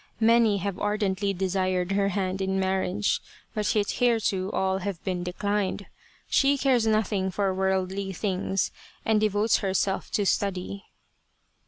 Many have ardently desired her hand in marriage, but hitherto all have been declined. She cares nothing for worldly things and devotes herself to study."